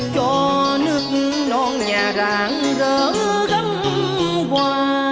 cho nước non nhà rãng rỡ gấm hoa